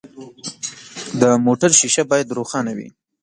د موټر شیشه باید روښانه وي.